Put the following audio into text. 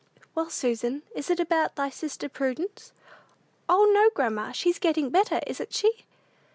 "Well, Susan, is it about thy sister Prudence?" "O, no, grandma! she's getting; better; isn't she?"